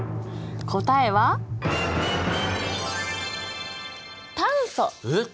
答えはえっ炭素？